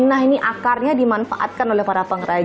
nah ini akarnya dimanfaatkan oleh para pengrajin